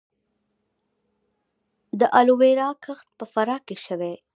د الوویرا کښت په فراه کې شوی